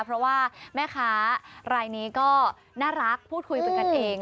เพราะว่าแม่ค้ารายนี้ก็น่ารักพูดคุยเป็นกันเอง